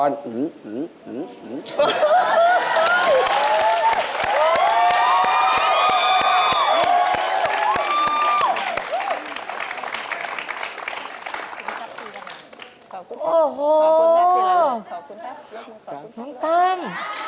น้องตั้ม